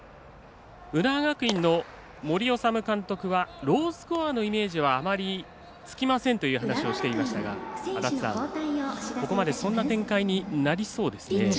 浦和学院の森士監督はロースコアのイメージはあまりつきませんというお話をしていましたがここまでそんな展開になりそうですね。